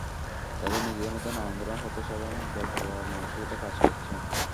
তাদের নিজেদের মধ্যে নানান ধরনের হতাশা এবং বেপরোয়া মানসিকতা কাজ করছে।